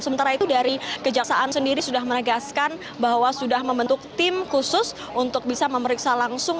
sementara itu dari kejaksaan sendiri sudah menegaskan bahwa sudah membentuk tim khusus untuk bisa memeriksa langsung